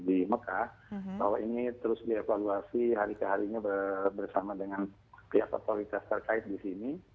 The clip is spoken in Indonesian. di mekah bahwa ini terus dievaluasi hari ke harinya bersama dengan pihak otoritas terkait di sini